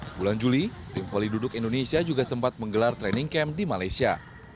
di bulan juli tim volley duduk indonesia juga sempat menggelar training camp di malaysia